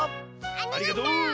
ありがとう！